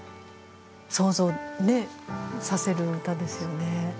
想像させる歌ですよね。